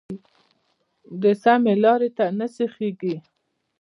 د سمې لارې ته نه سیخېږي.